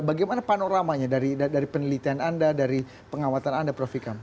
bagaimana panoramanya dari penelitian anda dari pengamatan anda prof ikam